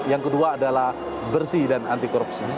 yang kedua adalah bersih dan anti korupsi